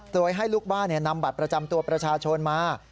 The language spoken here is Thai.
โดยให้ลูกบ้านนำบัตรประจำตัวประชาชนมา